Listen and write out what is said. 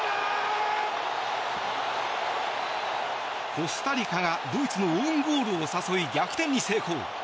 コスタリカが、ドイツのオウンゴールを誘い逆転に成功。